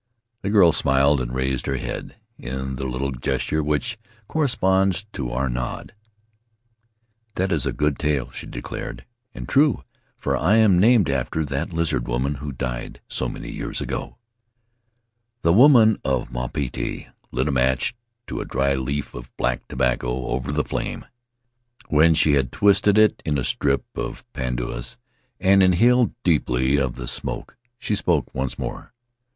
The girl smiled and raised her head in the little gesture which corresponds to our nod. ' That is a good tale," she declared, "and true, for I am named after that Lizard W T oman who died so many years ago." The woman of Maupiti lit a match to dry a leaf of black tobacco over the flame; when she had twisted it in a strip of pandanus and inhaled deeply of the Faery Lands of the South Seas smoke, she spoke once more.